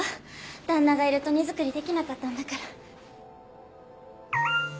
旦那がいると荷造りできなかったんだから。